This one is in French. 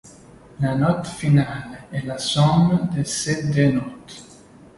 La note finale est la somme de ces deux notes.